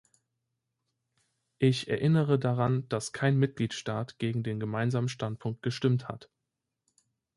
Ich erinnere daran, dass kein Mitgliedstaat gegen den gemeinsamen Standpunkt gestimmt hat.